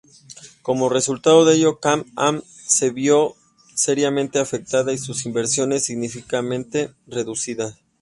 Como resultado de ello Can-Am se vio seriamente afectada y sus inversiones significativamente reducidas.